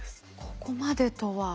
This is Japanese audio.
ここまでとは。